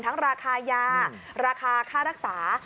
ราคายาราคาค่ารักษา